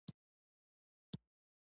سوله د انساني ارادې لوړه بڼه ده.